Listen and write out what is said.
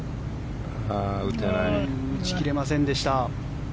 打ち切れませんでした。